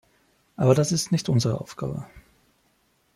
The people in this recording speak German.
Aber das ist nicht unsere Aufgabe.